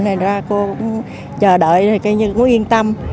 nên ra cô cũng chờ đợi coi như cũng yên tâm